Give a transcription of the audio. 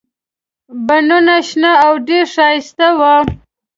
بڼونه شنه او ډېر ښایسته وو.